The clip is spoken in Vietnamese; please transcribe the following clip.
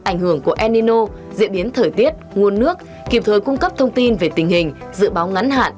ảnh hưởng của enino diễn biến thời tiết nguồn nước kịp thời cung cấp thông tin về tình hình dự báo ngắn hạn